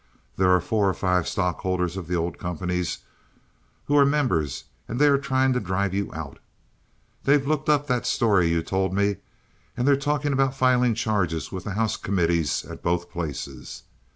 There are four or five stockholders of the old companies who are members, and they are trying to drive you out. They've looked up that story you told me, and they're talking about filing charges with the house committees at both places.